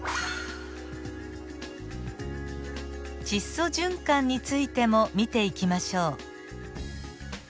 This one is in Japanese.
窒素循環についても見ていきましょう。